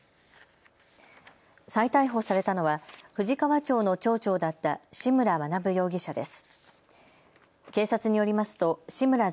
再逮捕されたのは富士川町の町長だった志村学容疑者です。